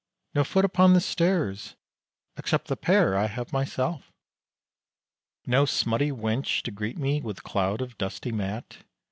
No foot upon the stairs, except the pair I have myself! No smutty wench to greet me with cloud of dusty mat!